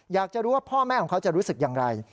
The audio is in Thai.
อยากจะรู้ว่าพ่อแม่ของเขาจะรู้สึกอย่างไร